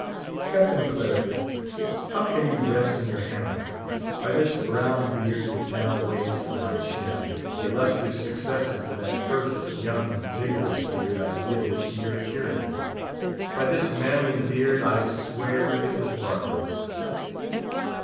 Captain Claret! how can you rest in your hammock! by this brown beard which now waves from my chin—the illustrious successor to that first, young, vigorous beard I yielded to your tyranny—by this manly beard, I swear, it was barbarous!